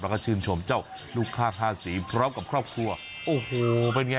แล้วก็ชื่นชมเจ้าลูกข้างห้าสีพร้อมกับครอบครัวโอ้โหเป็นไง